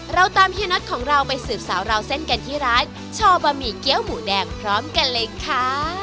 เราตามเฮียน็อตของเราไปสืบสาวราวเส้นกันที่ร้านช่อบะหมี่เกี้ยวหมูแดงพร้อมกันเลยค่ะ